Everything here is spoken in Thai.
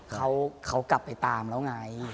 เขากลับไปตามแล้วไง